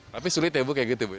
tapi sulit ya bu kayak gitu bu